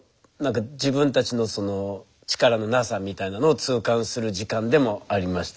自分たちのその力のなさみたいなのを痛感する時間でもありましたね。